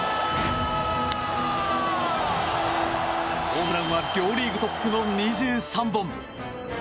ホームランは両リーグトップの２３本。